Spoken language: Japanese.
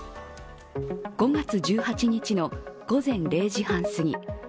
５月１８日の午前０時半すぎ。